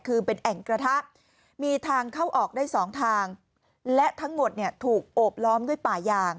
คือเป็นแอ่งกระทะมีทางเข้าออกได้สองทางและทั้งหมดเนี่ยถูกโอบล้อมด้วยป่ายาง